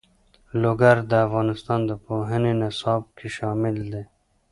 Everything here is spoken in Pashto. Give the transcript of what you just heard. لوگر د افغانستان د پوهنې نصاب کې شامل دي.